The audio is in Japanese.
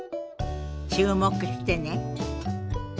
注目してね。